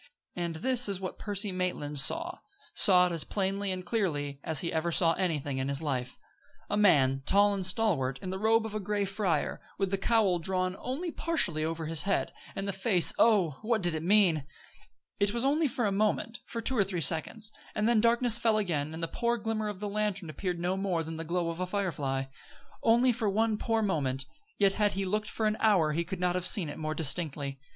And this is what Percy Maitland saw saw it as plainly and clearly as he ever saw anything in his life: A man, tall and stalwart, in the robe of a gray friar, with the cowl drawn only partially over his head. And the face Oh! what did it mean? It was his father's face! the face of Hugh Maitland, as he remembered it, in its manly strength and vigor. It was only for a moment for two or three seconds and then the darkness fell again and the poor glimmer of the lantern appeared no more than the glow of a fire fly. Only for one poor moment; yet had he looked for an hour he could not have seen it more distinctly.